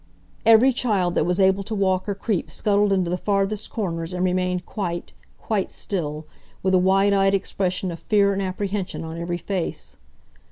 Every child that was able to walk or creep scuttled into the farthest corners and remained quite, quite still with a wide eyed expression of fear and apprehension on every face.